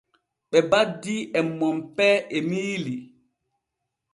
Ɓe baddii e Monpee Emiili.